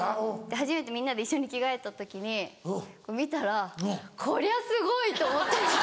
初めてみんなで一緒に着替えた時に見たらこりゃすごい！と思って。